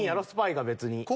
スパイが別に。